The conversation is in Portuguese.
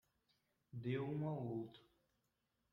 Deu um ao outro